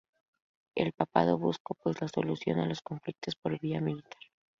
El papado buscó, pues, la solución a los conflictos por vía militar.